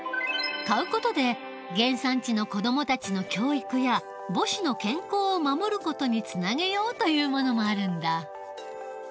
買う事で原産地の子どもたちの教育や母子の健康を守る事につなげようというものもあるんだ。